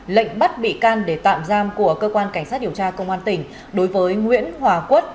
lệnh bắt bị can để tạm giam của cơ quan cảnh sát điều tra công an tỉnh đối với nguyễn hòa quất